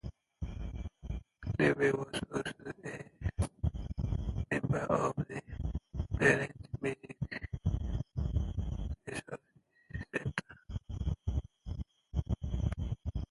Lieberman was also a member of the Parents Music Resource Center.